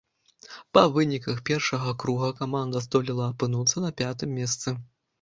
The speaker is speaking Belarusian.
Па выніках першага круга каманда здолела апынуцца на пятым месцы.